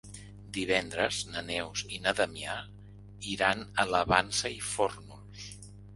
Divendres na Neus i na Damià iran a la Vansa i Fórnols.